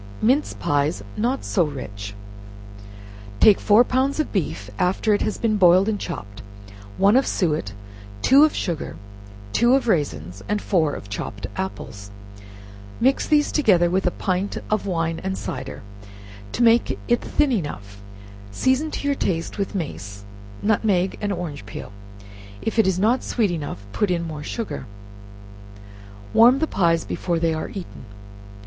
Mince Pies not so Rich. Take four pounds of beef after it has been boiled and chopped, one of suet, two of sugar, two of raisins, and four of chopped apples, mix these together with a pint of wine and cider, to make it thin enough, season to your taste with mace, nutmeg and orange peel; if it is not sweet enough, put in more sugar. Warm the pies before they are eaten.